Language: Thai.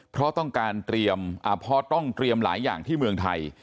เพราะต้องการเตรียมเพราะต้องเตรียมหลายอย่างที่เมืองไทย